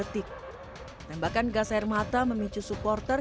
tembakan gas air mata memicu supporter